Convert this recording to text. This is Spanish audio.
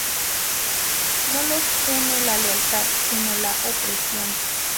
No los une la lealtad sino la opresión.